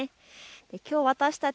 きょう私たち